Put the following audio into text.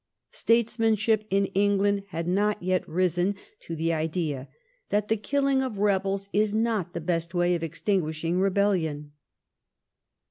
Statesmanship in England had not yet risen to the 1495 1782 POYNING'S LAW. 197 idea that the killing of rebels is not the best way of extinguishing rebellion.